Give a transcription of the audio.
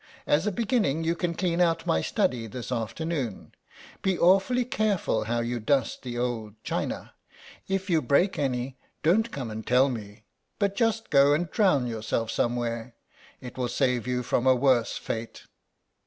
As a beginning you can clean out my study this afternoon. Be awfully careful how you dust the old china. If you break any don't come and tell me but just go and drown yourself somewhere; it will save you from a worse fate."